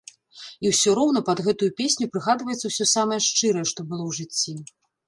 І ўсё роўна пад гэтую песню прыгадваецца ўсё самае шчырае, што было ў жыцці.